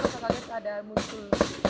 ada kaget ada musul